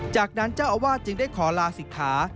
จากนั้นเจ้าอาวาสจึงได้ขอลาศิกขา